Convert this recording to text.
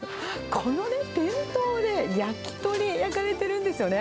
このね、店頭で焼き鳥焼かれてるんですよね。